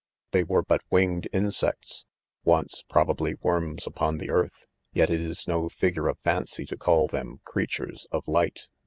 They were. but winged insects, once proba bly, worms upon the earth. Yet it is no fig ure of Fancy to call them creatures of light.